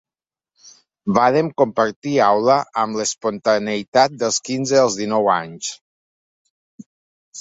Vàrem compartir aula amb l’espontaneïtat dels quinze als dinou anys.